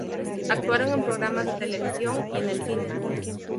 Actuaron en programas de televisión y en el cine.